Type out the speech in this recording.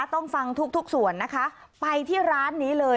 ต้องฟังทุกทุกส่วนนะคะไปที่ร้านนี้เลย